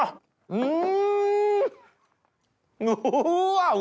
うん！